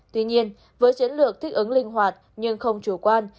tuy nhiên với chiến lược thích ứng linh hoạt nhưng không chủ quan